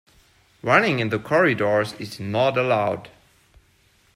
Running in the corridors is not allowed